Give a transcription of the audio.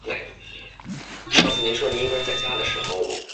简易行政工作